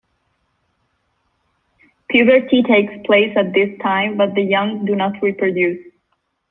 Puberty takes place at this time but the young do not reproduce.